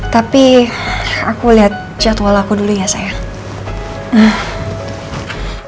tapi aku lihat jadwal aku dulu ya sayang